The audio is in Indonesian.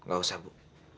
nggak usah bu